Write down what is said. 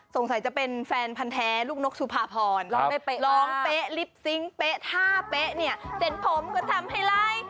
สงสัยจะเป็นแฟนพันธุ์แท้ลูกนกชุภาพรร้องไปเป๊ะอ้าวร้องเป๊ะลิปซิงค์เป๊ะท่าเป๊ะเนี่ยเสร็จผมก็ทำให้ไร